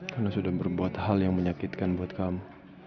karena sudah berbuat hal yang menyakitkan buat kamu